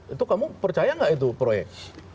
itu kamu percaya nggak itu proyek